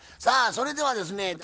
さあそれではですね